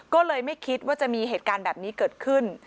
ก็เลยไม่คิดว่าจะมีเหตุการณ์แบบนี้เกิดขึ้น